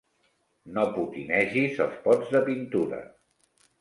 No potinegis els pots de pintura.